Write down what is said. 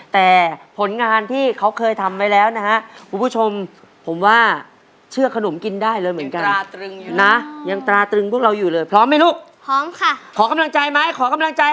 แต่ผลงานที่เขาเคยทำไว้แล้วนะครับลูกผู้ชมผมว่าเชื่อขนมกินได้เลยเหมือนกัน